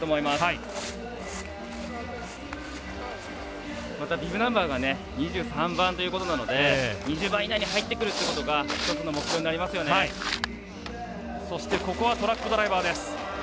また、ビブナンバーが２３番ということなので２０番以内に入ってくるということがトラックドライバー。